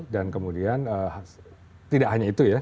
dan kemudian tidak hanya itu ya